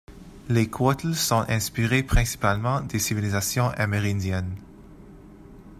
Les Cuotl sont inspirés principalement des civilisations amérindiennes.